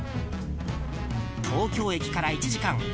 東京駅から１時間。